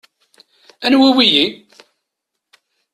Anwi wiyi?